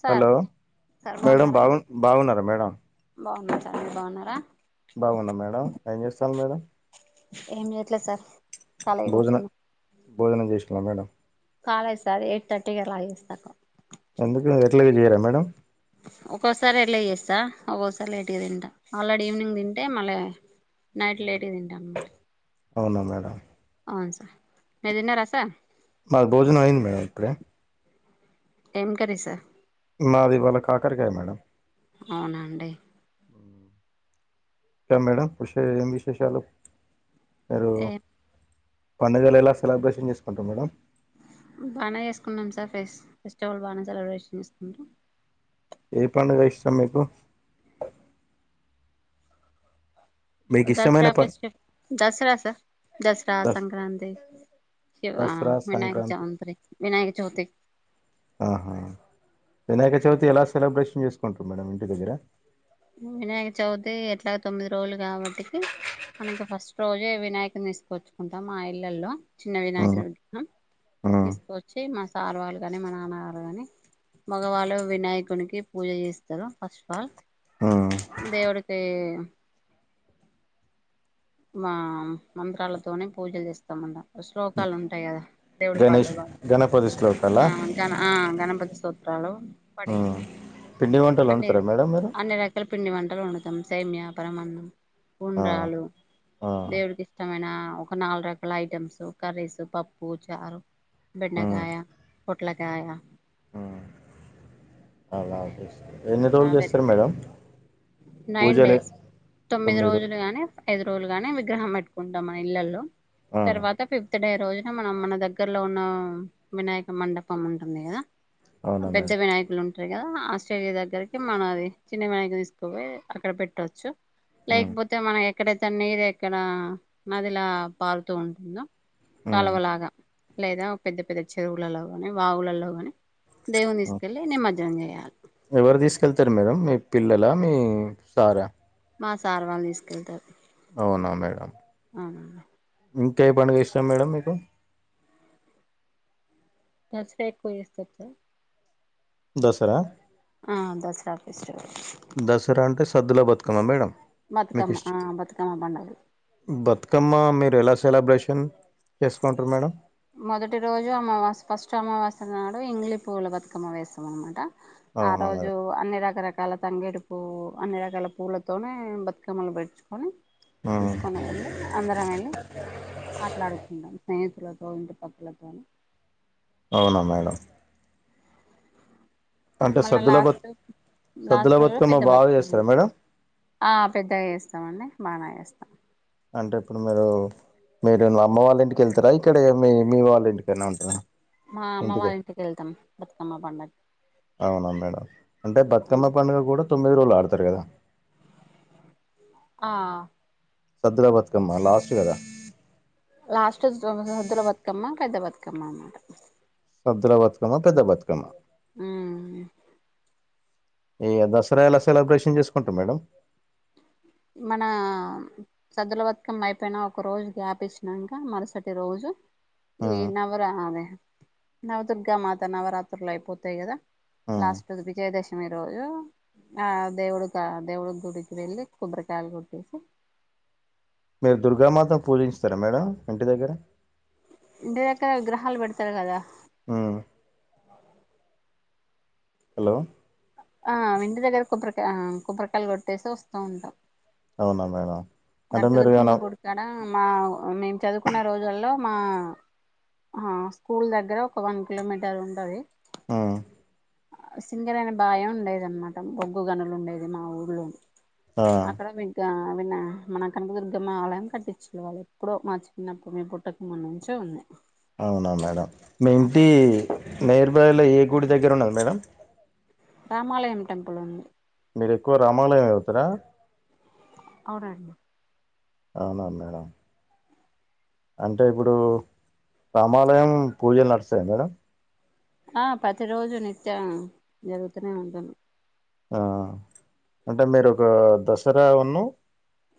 Sir hello sir madam బాగున్నారా బాగు బాగున్నారా మేడం బాగున్నా సార్ మీరు బాగున్నారా బాగున్నా మేడం ఏం చేస్తాను మేడం ఏమ ఎట్లా సార్ కాలిగా భోజనం కూర్చున్న భోజనం చేసుకున్నా మేడం కాలేదు సార్ ఎయిట్ థర్టీ కి అలా చేస్తాను ఎందుకు నేరిల చేయరా మేడం ఒక్కోసారి ఎలా చేస్తా ఒక్కోసారి లేట్గా తింటా ఆల్రెడీ ఈవినింగ్ తింటే మళ్ళీ నైట్ లేట్ తింట అనమాట అవునా మేడం అవును సార్ మీరు తిన్నారా సార్ మ భోజనం అయింది మేడం ఇప్పుడే ఏం కర్రీ సార్ నాది ఇవాళ కాకరకాయ మేడం అవునాఅండి మేడం పష ఏం విశేషాలు మీరు ఏ పండుగలు ఎలా సెలబ్రేషన్ చేసుకుంటాం మేడం బాగా చేసుకుందాం సార్ ఫస్ ఫెస్టివల్ బాగా సెలబ్రేషన్ చేసుకుంటం ఏ పండుగ ఇష్టం మీకు మీకు దసరా ఇష్టమైన ప పం శి దసరా సార్ దసరా దస్ సంక్రాంతి శివ దసరా వినాయక సంక్రాంతి చౌంత వినాయక చౌతి ఆహా వినాయక చవితి ఎలా సెబ్రేషన్ చేసుకుంట్రారు మేడం ఇంటి దగ్గర వినాయక చవితి ఎట్లాగ తొమ్మిది రోజులు కాబట్టి మనకి ఫస్ట్ రోజే వినాయకుని తీసుకొచ్చుకుంటాం మా ఇళ్లల్లో చిన్న ఆ వినాయక విగ్రహం ఆ తీసుకోచ్చి మా సారు వాళ్ళు కాని మా నాన్నగారు కాని మగవాళ్ళు వినాయకునికి పూజ చేస్తారు ఫస్ట్ ఆఫ్ ఆల్ ఆ దేవుడికి మా మంత్రాలతోనే పూజలు చేస్తామ్ శ్లోకాలు ఉంటాయి కదా గణేష్ గణపతి శ్లోకాల ఆ గణపతి సొత్ర తళ ఉమ్ [unintelligible] పిండి వంటలు అన్ని వండుతారా మేడం మీరు అన్ని రకాల పిండి వంటలు వండ సేమియా పరమాన్నం ఆ ఉండ్రాళ్ళు ఆ దేవుడికి ఇష్ట ఒక నాలుగు రకాల ఐటమ్స్ కర్రీసు పప్పు చారు ఉమ్ బెండకాయ పొట్లకాయ ఉమ్ అలా చేస్తారు ఎన్ని రోజులు చేస్తారు మేడం నైన్ పూజలే డేస్ తొమ్మిది రోజులు గానీ ఐదు రోజులు గానే విగ్రహం పెట్టుకుంటాం మన ఇళ్లల్లో ఆ తర్వాత ఫి డే రోజున మనం మన దగ్గరలో ఉన్న వినాయక మండపం ఉంటుంది కదా అవునా పెద్ద మేడం వినాయకులు ఉంట కదా ఆ స్టేజి దగ్గరికి మనది చిన్న వినాయకుని తీసుకుపోయి అక్కడ పెట్టొచ్చు ఉమ్ లేకపోతే మనం ఎక్కడైతే నీరెక్కడ నదిలా పారుతూ ఉంటుందో ఉమ్ కాలవ లాగా లేదా పెద్ద పెద్ద చెరువులలో కాని బావులలో కాని ఉమ్ దేవునితీస్కెల్లి నిమ అ ఎవరు తీసుకెళ్తరు మేడం మీ పిల్లలా మీ సారా మా సార్ వాళ్ళు తీసుకెళ్తారు అవునా మేడం అవునండి ఇంకా ఏ పండుగ ఇష్టం మేడం మీకు నచ్చకాక్ వయస్త [unintelligible] దసరా ఆ దసరా ఫెస్టివల్ దసరా అంటే సద్దుల బతుకమ్మా మేడం మీకు బతుకమ్మ ఇష్ట ఆ బతుకమ్మ పండుగ బతుకమ్మ మీరెలా సె సెలబ్రేషన్ చేసుకుంటారు మేడం మొదటి రోజు అమావాస్య ఫస్ట్ అమావాస్య నాడు ఇంగ్లి పూవుల బతుకమ్మ వేస్తాం అనమాట ఆ అవునా రోజు మేడం అన్ని రాక రాక రకాల తంగేడి పూ అన్ని రకాల పూలతోనే బతుకమ్మలు పెట్చుకొని ఉమ్ తీసుకొని వెళ్ళి అందరం వెళ్ళి ఆటలాడుకుంటాం స్నేహితు కో ఇంటి పక్కలతో అవునా మేడం అంటే మళ్ళ సద్దుల బతు లాస్ట్ సద్దుల లాస్ట్ రోజు బతుకమ్మ పెద్ద బాగా బతుకమ్మ చేస్తారా మేడం ఆ పెద్దగా చేస్తామండి బానే చేస్తం అంటే ఇప్పుడు మీరు, మీరు అమ్మ వాళ్ళ ఇంటికి వెళ్తారా ఇక్కడ మీ మీ వాళ్ళ ఇంటికనా ఉంటార మా అమ్మ వారి ఇంటికి వెళ్తాం బతుకమ్మ పండుకి అవునా అ మీరు లాడతారు కదా ఆ సద్దుల బతుకమ్మ లాస్ట్ కదా లాస్ట్ సద్దుల బతుకమ్మ పెద్ద బతుకమ్మ అన్నమాట సద్దుల బతుకమ్మ పెద్ద బతుకమ్మ హ్మ్ ఈ దసరా ఎలా సెలబ్రేషన్ చేసుకుంటరు మేడం మన సద్దుల బతుకమ్మ అయిపోయిన ఒక రోజు గ్యాప్ ఇచ్చినాంక మరుసటి రోజు ఈ ఉమ్, నవ్వరా అదే నవదుర్గా మాత నవరాత్రులు అయిపోతాయి కదా ఉమ్. లాస్ట్ రోజు విజయదశమి రోజు ఆ దేవుడుకా దేవుడు గుడికి వెళ్ళి కొబ్బరికాయలు కొట్టేసి మీరు దుర్గామాతను పూజింస్తారా మేడం ఇంటి దగ్గర ఇంటి దగ్గర విగ్రహాలు పెడతారు కదా హ్మ్ హలో ఆ ఇంటి దగ్గర కొబ్బరికాయ ఆ కొబ్బరికాయలు కొట్టేసి వస్తూ ఉంటాం అవునా మేడం అంటే మీరు కనకదుర్గమ్మ గుడి కాడ మా అ మేం చదువుకున్న రోజుల్లో మా ఆ స్కూల్ దగ్గర ఒక వన్ కిలోమీటర్ ఉంటది ఆ సింగరేణి బాయం ఉండేది అన్నమాట బొగ్గు గనులు ఉండేది మా ఊళ్లో అక్కడ మీగ్గ అమినా మన కనకదుర్గమ్మ ఆలయం కట్టించిన వాళ్ళు, ఎప్పుడో మా చిన్నప్పుడు మీ పుట్టక ముందు నుంచే ఉంది అవునా మేడం మీ ఇంటి అక్కడికి వెళ్ళి నేర్బాయ లో ఏ గుడి దగ్గర ఉన్న మేడంమ్ రామాలయం టెంపుల్ ఉంది మీరు ఎక్కువ రామాలయం వెళ్తారా అవునండి అవునా మేడమ్ అంటే ఇప్పుడు రామాలయం పూజలు నడుస్తాయి మేడం ఆ ప్రతి రోజు నిత్య జరుగుతూనే ఉంటుంది ఆ అంటే మీరు ఒక దసరా ఉన్న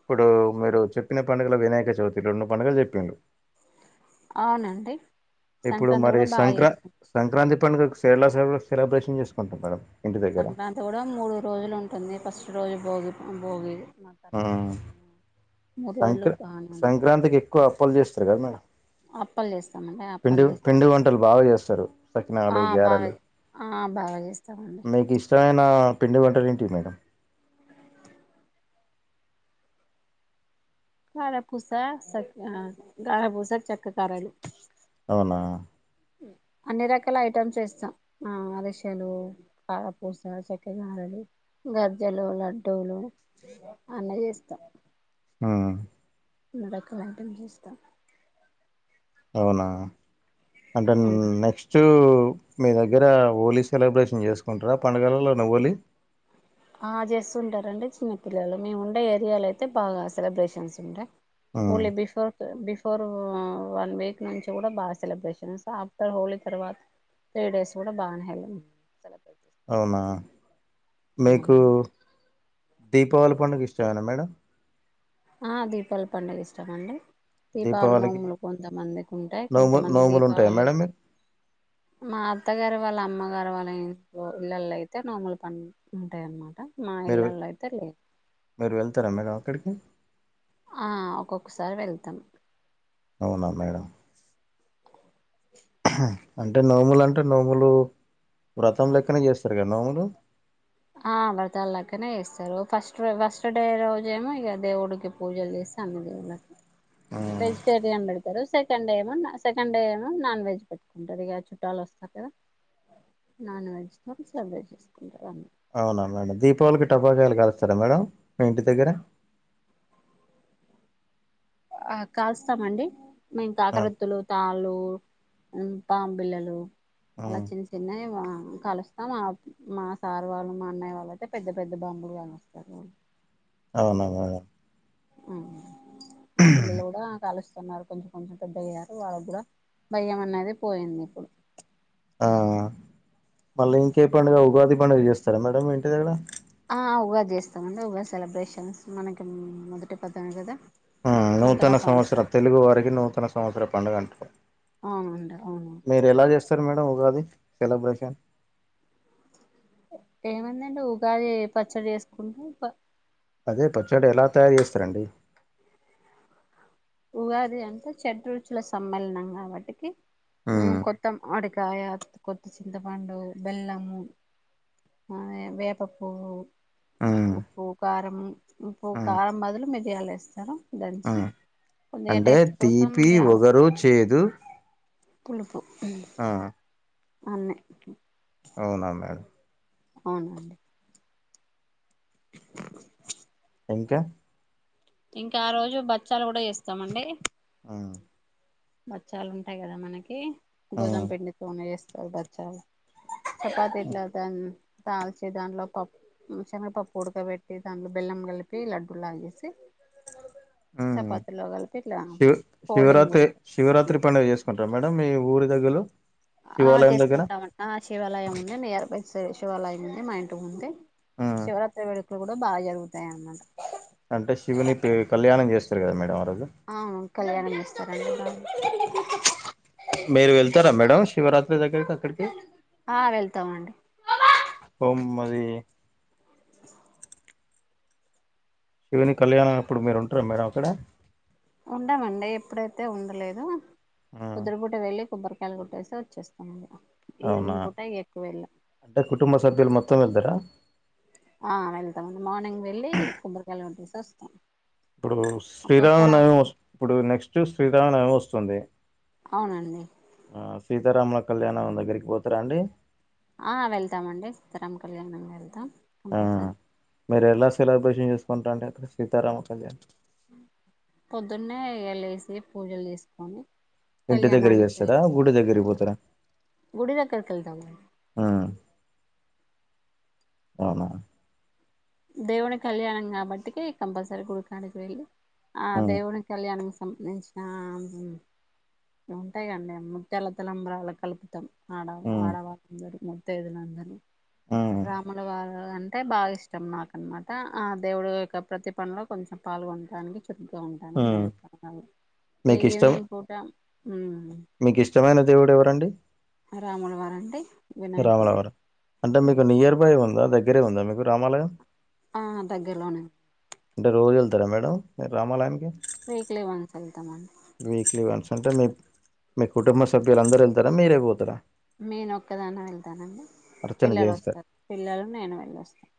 ఇప్పుడు మీరు చెప్పిన పండుగల వినాయక చవితి రండు పండుగలు చేపిరు అవునండి ఇప్పుడు సంక్రాంతి మరి కూడా బాగా సంక్రా చేస్తాం సంక్రాంతి మొత్తం కేరళ సైడ్ సెలబ్రేషన్ చేసుకుంటాం మేడం ఇంటి దగ్గర సంక్రాంతి కూడ ముడు రోజులు ఉంటుంది ఫస్ట్ రోజు భోగి భోగి మకర హమ్ కనుమ మూడు రోజులు సంక్రా బాగానే సంక్రాంతికి ఎక్కువ అప్పలు చేస్తరు కద మేడం అప్పలు చేస్తామండి పిండి అప్పలు చేస్తాం పిండి వంటలు బాగా చేస్తారు ఆ సకినాలు బాగా గారెలు బాగా చేస్తామండి ఇష్టమైనపిండి వంటలు ఏంటి మేడం కారపూస సా గారపూస చెక్క గారెలు అవునా అన్ని రకాల ఐటమ్స్ చేస్తాం ఆ అరిసలు కారపూస చెక్కెర గారెలు గజ్జలు లడ్డూలు అన్నీ చేస్తాం ఆ అన్ని రకాల వంటలు చేస్త అవునా అంటే అవును నెక్స్ట్ మీ దగ్గర హోలీ సెలబ్రేషన్ చేసుకుంటర పండుగలలోనే హోలీ ఆ చేస్తుంటారండి చిన్నపిల్లలు మేము ఉండే ఏరియాలో అయితే బాగా సెలబ్రేషన్స్ ఉంటాయి హ్మ్ Holi before before one week నుంచి కూడా బాగా సెలబ్రేషన్స్ ఆఫ్టర్ హోలీ తర్వాత త్రీ డేస్ కూడా బాగానే హె సెలబ్రేషన్స్ అవునా మీకు దీపావళి పండుగ ఇష్టమేన మేడం ఆ దీపావళి పండుగ ఇష్టమండి దీపావళి దీపావళికి నోములు కొంతమందికి ఉంటాయి. నోము కొంతమంది నోములు ఉంటాయా దీపావళి మేడం మీరు మా అత్తగారు వాళ్ళ అమ్మగారు వాళ్ళ ఏళ్లలో అయితే నోములు పని ఉంటాయిన్నమాట మీరు మీరు వెళ్తార మేడం అక్కడికి ఆ ఒక్కొక్కసారి వెళ్తాం అవునా మేడం అంటే నోములు అంటే నోములు వ్రతం లెక్కనే చేస్తారు కద నోములు. ఆ వ్రతాలేక్కనే చేస్తరు. ఫస్ట్ ఫస్ట్ డే రోజు ఎమో ఇక దేవుడికి పూజలు చేస్తే అన్ని దేవుళకి హ్మ్ వెజిటేరియన్ పెడతా సెకండ్ డే ఏమో సెకండ్ డే ఏమో నాన్ వెజ్ పెట్టుకుంటారు. ఇక చుట్టాలు వస్తారు కదా నాన్ వెజ్ తో సెలెబ్రేట్ చేసుకుంటారు. అవునా మేడం దీపావళికి టపాకాయలు కాలుస్తారా మేడం మీ ఇంటి దగ్గర ఆ కాలుస్తమండి మేము ఆ! కాాకరోతులు తాళ్ళు పామ్ బిళ్ళలు అలా హ్మ్. చిన్న చిన్నయి కలుస్తామా మా సారు వాళ్ళు మా అన్నయ్య వాళ్ళు అయితే పెద్ద పెద్ద బాంబులు కలుస్తారు. అవున మేడం ఉమ్ మా పిల్లలు కూడా కాలుస్త న్నారు కొంచెం కొంచెం పెద్ద అయ్యారు వాళ్ళకి కూడా భయం అనేది పోయింది. ఇప్పుడు ఆ మళ్ళీ ఇంకే పండుగ ఉగాది పండుగ చేస్తారా మేడం ఇంటి దగ్గర ఆ ఉగాది చేస్తామండి. ఉగాది సెలబ్రేషన్స్ మనకి మొదటి పండుగా కదా ఆ నూతన సంవత్సరం తెలుగు వారికి నూతన సంవత్సర పండుగ అంటరు అవునండి అవును మీరు ఎలా చేస్ స్తారు మేడం ఉగాది సెలబ్రేషన్ ఏమైందండి ఉగాది పచ్చడి చేసుకుంటం ప అదే పచ్చడి ఎలా తయారు చేస్తారండి ఉగాది అంటే షెడ్ రుచుల సమ్మేళనం కాబట్టి కి ఉమ్ కొత్తం అడీ క్ ప్రయత్ కొత్త చింతపండు బెల్లము ఆ వేప పువ్వు ఉమ్ ఉప్పు కారం ఉప్పు ఉమ్ కారం బదులు మిరియాలు ఏస్తాం స్తరూ దంచి ఉమ్ కొద్దిగా అంటే టేస్ట్ కోసం తీపి ఓగరు చేదు పూలుపూ హ ఆ అన్ని అవున మ్యాడమ్ అవునండి ఇంకా ఇంకా ఆ రోజు భక్ష్యాలు కూడా చేస్తామండి ఉ బచ్చాలు ఉంటాయి. కదా మనకి గోదం ఉమ్ పిండితో నే చేస్తం స్తమ్ బచ్చాలు చపాతీ ఇట్లా దన్ తాల్చి దాంట్లో పప్పు శనగపప్పు ఉడకబెట్టి దాంట్లో బెల్లం కలిపి లడ్డూలాచేసి ఉమ్ చపాతిలో కలిపి ఇట్లా శివ ఫోల్డింగ్ శివరాత్రి చేస్త శివరాత్రి పండుగ చేసుకుంటార మేడమ్ మీ ఊరి దగ్గరలో ఆ శివాలయం దగ్గర చేసుకుంటామండి శివాలయం ఉంది. నియర్ బై సరే శివాలయం ఉంది. మా ఇంటి ముందే ఉమ్ శివరాత్రి వేళ ట్లు కూడా బాగా జరుగుతాయి. అన్నమాట అంటే శివుని పేరు కళ్యాణం చేస్తారు కదా మేడం ఆ రోజు ఆ కళ్యాణమె స శ్రీరామ్ మీరు వెళ్తార మేడమ్ శివరాత్రి దగ్గరక ఆయ్ వెళ్తామండి రె శివుని కళ్యాణం ఎప్పుడు మీరు ఉంటరా మేడం అక్కడ ఉండమండి ఎప్పుడైతే ఉండలేదు ఆ పొద్దున పూట వెళ్లి కొబ్బరి కాయలు గొట్టేసి వచ్చేస్తాండి అవునా అంటె కుటుంబ సభ్యులు మొత్తం వెళ్తరా ్ ఆ వెళ్తామండి మార్నింగ్ వెళ్ళి కొబ్బరికాయలు కోట్టేసి వస్తాం ఇప్పుడు ఒక్కోసారి శ్రీరామనవమి ఇప్పుడు నెక్స్ట్ శ్రీరామనవమి వస్తుంది సుంది ఆవునండి ఆ సీతారాముల కళ్యాణం దగ్గరికి పోతరా అండి ఆ వెళ్తామండి సీతారాము కళ్యాణం వెళ్తాం ఆ ఇంకో సార్ మీరు ఎలా సెలబ్రేషన్ చేసుకుంటాంటె అక్కడ సీతారామ కళ్యాణ్ పొద్దున్నే ఇగ లేసి పూజలు చేసుకొని ఇంటి దగ్గర్కి కళ్యాణానికి వస్తదా వెళ్ళి గుడి దగ్గర్కి పోతారా గుడి దగ్గరకి వెళ్తామండి ఆ గానా దేవుని కళ్యాణం కాబట్టికి కంపల్సరీ గుడికాడకి వెల్లి ఆ ఉమ్ దేవునికి కళ్యాణం కొంపదించి నా ఉమ్ ఉంటయి గండి ముత్యాల తలంబరాళ్ళ కలిపి మొత్తం ఆడ ఉమ్ ఆడవాటం జరుగు తేదీన అందని ఉమ్ రాముల వారు ట అంటె బాగా ఇష్టం నాకు అనమాట ఆ దేవుడు యొక్క ప్రతి పనిలో కొంచెం పాల్గొన్టానికి సరిగ్గా ఉంటాను ఉమ్ మేలు ఇక ఈవినింగ్ పూట ఉమ్ మీకిష్టమైన దేవుడు ఎవరండి రాముల వారంటె వినాయకుడు రాములవారు అంటే మీకు నియర్ బై ఉందా దగ్గరే ఉందా మీకు రామాలయం ఆ దగ్గరలోనే అంటే రోజు వెళ్తారా మేడం మీరు రామాలయానికి వీక్లీ వన్స్ వెళ్తామండి విక్లీ వన్స్ అంటే మీ మీ కుటుంబ సభ్యులుందరూ వెళ్తారా మీరే పోతారా నేను ఒక్కదాన్న వెళ్తానండి. అర్చన పిల్లలు చేయిస్తారు వస్తారు పిల్లలు నేను వెళ్ళొస్తాం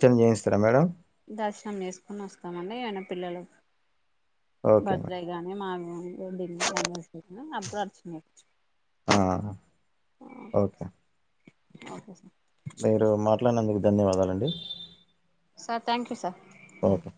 ర్చన చేయిస్తారా మేడం దర్శనం చేసుకొని వస్తామండి ఏమనా పిల్లలు ఓకే మేడం బర్త్డే గానీ మా [inaudible] నివర్సరీ కానీ అప్పుడు అర్చన చెపిచ్ ఆ, ఓకే ఓకే సార్ మీరు మాట్లాడినందుకు ధన్యవాదాలండి సార్ థాంకు సార్ ఓకే